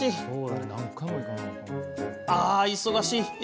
あ、忙しい！